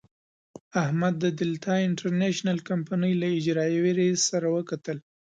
احمد د دلتا انټرنشنل کمينۍ له اجرائیوي رئیس سره وکتل.